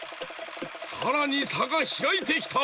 さらにさがひらいてきた！